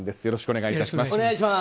よろしくお願いします。